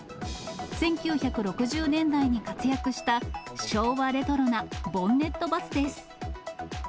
１９６０年代に活躍した、昭和レトロなボンネットバスです。